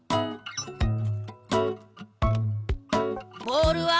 ボールは！？